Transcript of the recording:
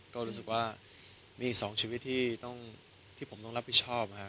ก็รู้สึกว่ามีอีก๒ชีวิตที่ผมต้องรับผิดชอบนะครับ